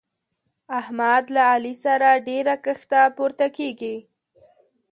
احمد له علي سره ډېره کښته پورته کېږي.